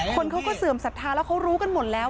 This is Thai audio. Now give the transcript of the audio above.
คนเขาก็เสื่อมศรัทธาแล้วเขารู้กันหมดแล้ว